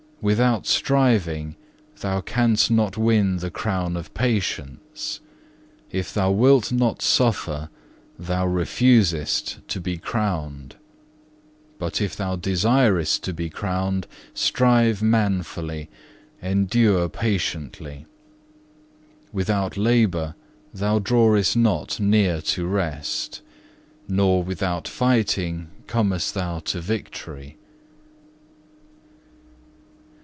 Without striving thou canst not win the crown of patience; if thou wilt not suffer thou refusest to be crowned. But if thou desirest to be crowned, strive manfully, endure patiently. Without labour thou drawest not near to rest, nor without fighting comest thou to victory."